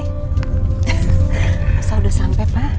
masa udah sampai pak